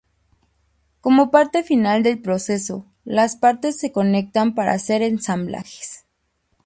Como parte final del proceso, las partes se conectan para hacer ensamblajes.